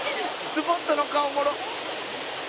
「スポットの顔おもろっ！」